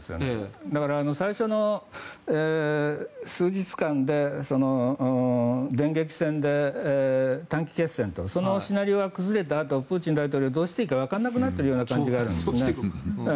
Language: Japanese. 最初の数日間で電撃戦で短期決戦というシナリオが崩れたあとプーチン大統領はどうしていいのか分からなくなっている感じがあるんです。